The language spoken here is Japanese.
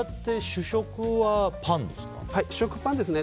主食はパンですね。